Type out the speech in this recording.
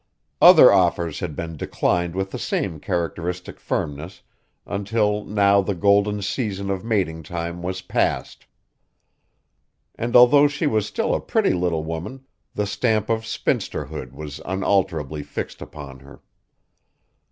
Other offers had been declined with the same characteristic firmness until now the golden season of mating time was past, and although she was still a pretty little woman the stamp of spinsterhood was unalterably fixed upon her.